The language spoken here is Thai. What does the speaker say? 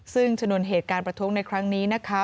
ซึ่งชนวนเหตุการณ์ประท้วงในครั้งนี้นะคะ